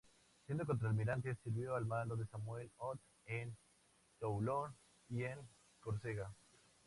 Siendo contralmirante, sirvió al mando de Samuel Hood en Toulon y en Córcega.